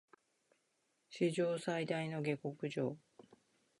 史上最大の下剋上